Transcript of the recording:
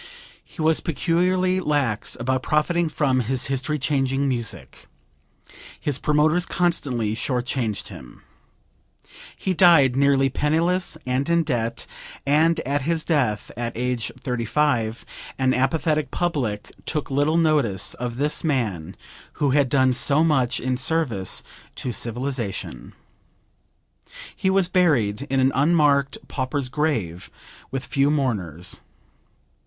He was peculiarly lax about profiting from his history changing music. His promoters constantly short changed him. He died nearly penniless and in debt, and at his death at age 35 an apathetic public took little notice of this man who had done so much in service to civilization. He was buried in an unmarked pauper's grave with few mourners.